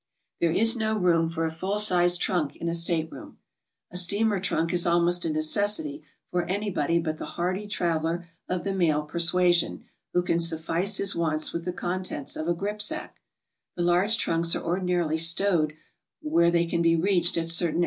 There is no room for a full sized trunk in a stateroom. | A steamer trunk is almost a necessity for anybody but the | hardy traveler of the male persuasion, who can sufflce his j wants with the contents of a grip sack. The large trunks | are ordinarily stowed where they can be reached at certain